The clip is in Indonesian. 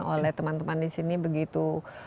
oleh teman teman di sini begitu